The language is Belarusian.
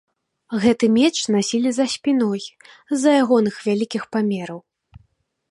Гэты меч насілі за спіной з-за ягоных вялікіх памераў.